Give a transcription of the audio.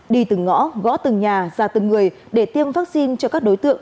đi từng ngõ gõ từng nhà ra từng người để tiêm vaccine cho các đối tượng